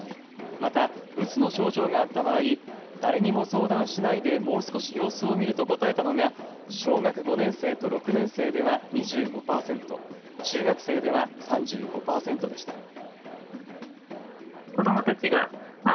また、うつの症状があった場合、誰にも相談しないでもう少し様子を見ると答えたのが小学５年生と６年生では２５％、中学生では３５％でした。